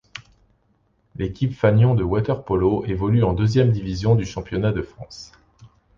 L'équipe fanion de water polo évolue en deuxième division du Championnat de France.